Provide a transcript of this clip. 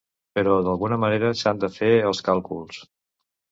Però d’alguna manera s’han de fer els càlculs.